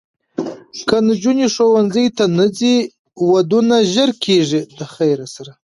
که نجونې ښوونځي ته نه ځي، ودونه ژر کېږي.